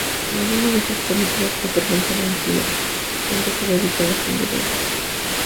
Ninguna de esas películas fue presentada en cines, siendo sólo editadas en video.